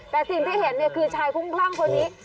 แต่สิ่งที่เห็นเนี่ยคือชายพุ่งพรั่งคนนี้